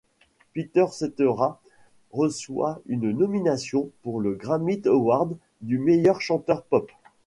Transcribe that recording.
Peter Cetera reçoit une nomination pour le Grammy Award du meilleur chanteur pop.